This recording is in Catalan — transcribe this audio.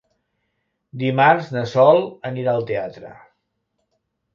Dimarts na Sol anirà al teatre.